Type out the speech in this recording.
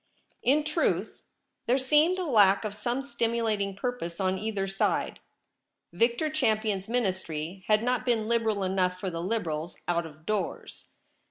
In truth, there seemed a lack of some stimulating purpose on either side. Victor Champion's Ministry had not been Liberal enough for the Liberals out of doors.